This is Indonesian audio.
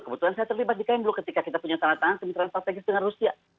kebetulan saya terlibat di kmu ketika kita punya tanah tangan kemitraan strategis dengan rusia